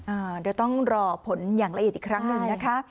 อ่าเดี๋ยวต้องรอผลอย่างละเอียดอีกครั้งหนึ่งนะคะ